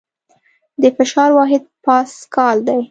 د فشار واحد پاسکل دی.